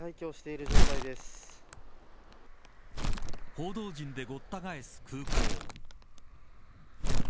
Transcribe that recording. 報道陣でごった返す空港。